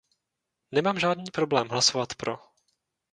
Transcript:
Nemám žádný problém hlasovat pro.